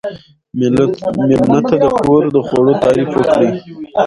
مېلمه ته د کور د خوړو تعریف وکړئ.